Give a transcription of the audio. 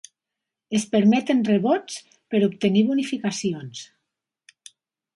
Es permeten rebots per obtenir bonificacions.